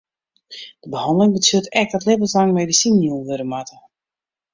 De behanneling betsjut ek dat libbenslang medisinen jûn wurde moatte.